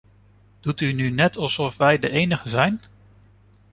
Doet u nu niet alsof wij de enigen zijn!